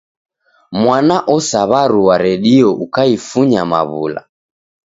Mwana osaraw'ua redio ukaifunya maw'ula!